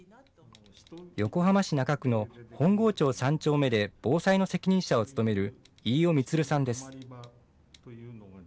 横浜市中区の本郷町３丁目で防災の責任者を務める飯尾滿さんです。